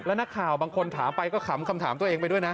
นักข่าวบางคนถามไปก็ขำคำถามตัวเองไปด้วยนะ